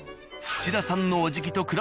土田さんのおじぎと。